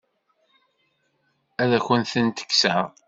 Ad akent-ten-kkseɣ?